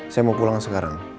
saya mau pulang sekarang